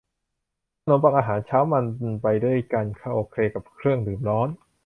ขนมปังอาหารเช้ามันไปด้วยกันโอเคกับเครื่องดื่มร้อน